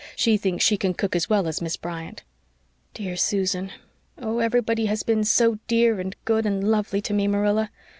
She thinks she can cook as well as Miss Bryant." "Dear Susan! Oh, everybody has been so dear and good and lovely to me, Marilla.